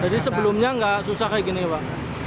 jadi sebelumnya nggak susah kayak gini pak